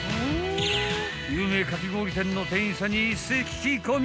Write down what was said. ［有名かき氷店の店員さんに一斉聞き込み］